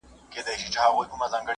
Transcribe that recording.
علمي پروژې په منظم ډول پرمخ ځي.